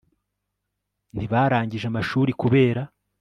ntibarangije amashuri kubera